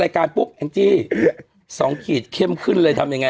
การปุ๊บแองจี้สองขีดเข้มขึ้นเลยทำยังไง